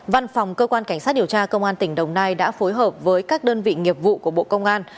văn phòng cơ quan cảnh sát điều tra công an tỉnh đồng nai đã phối hợp với các đơn vị nghiệp vụ của bộ công an